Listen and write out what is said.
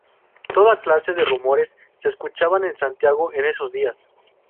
Toda clase de rumores se escuchaban en Santiago en esos días.